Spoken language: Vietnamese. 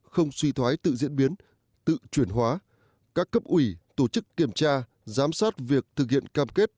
không suy thoái tự diễn biến tự chuyển hóa các cấp ủy tổ chức kiểm tra giám sát việc thực hiện cam kết